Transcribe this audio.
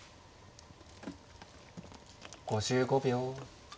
５５秒。